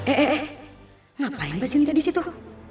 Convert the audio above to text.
eh eh eh ngapain pas kita disitu